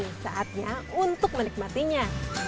dan kini saatnya untuk menikmatinya